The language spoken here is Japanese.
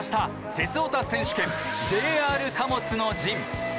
「鉄オタ選手権ＪＲ貨物の陣」！